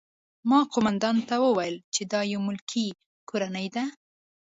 ما قومندان ته وویل چې دا یوه ملکي کورنۍ ده